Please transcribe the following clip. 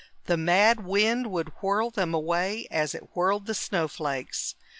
The mad wind would whirl them away as it whirled the snowflakes.